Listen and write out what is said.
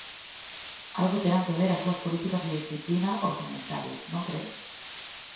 Algo terán que ver as súas políticas de disciplina orzamentaria, ¿non cren?